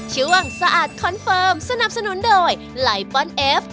ช่วงสะอาดคอนเฟิร์มสนับสนุนโดยไลปอนเอฟ